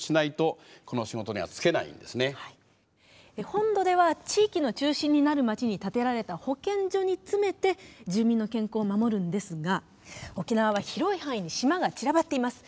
本土では地域の中心になる町に建てられた保健所に詰めて住民の健康を守るんですが沖縄は広い範囲に島が散らばっています。